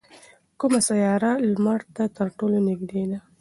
کومه سیاره لمر ته تر ټولو نږدې ده؟